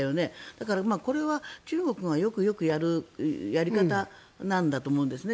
だから、これは中国がよくやるやり方なんだと思うんですね。